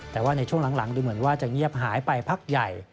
แต่ว่าในช่วงหลังดูเหมือนว่าจะเงียบหายไปพักใหญ่